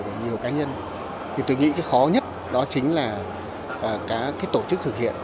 của nhiều cá nhân thì tôi nghĩ cái khó nhất đó chính là cái tổ chức thực hiện